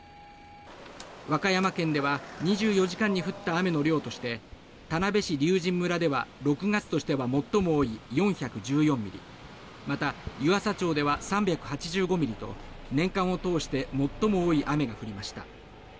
和歌山県では２４時間に降った雨の量として田辺市龍神村では６月としては最も多い４１４ミリまた、湯浅町では３８５ミリと年間を通して最も多い雨が降りました。